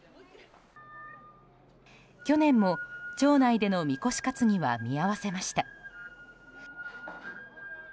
去年も、町内でのみこし担ぎは見合わせました。